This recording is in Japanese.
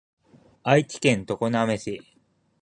愛知県常滑市